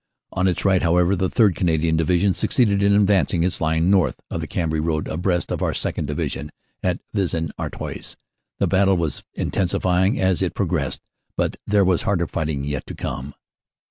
On its right however, the 3rd. Canadian Division suc ceeded in advancing its line north of the Cambrai road abreast of our 2nd. Division at Vis en Artois. The battle was intensi fying as it progressed, but there was harder fighting yet to come.